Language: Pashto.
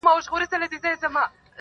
رسنۍ راپورونه جوړوي او خلک پرې خبري کوي,